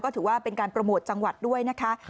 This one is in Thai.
ถือว่าเป็นการโปรโมทจังหวัดด้วยนะคะ